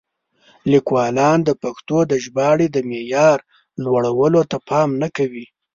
لیکوالان د پښتو د ژباړې د معیار لوړولو ته پام نه کوي.